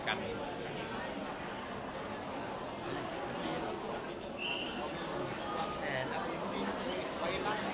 อ๋อทราบครับก็คุยกันตลอดครับ